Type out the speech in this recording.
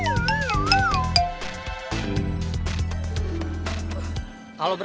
ya kita lanjut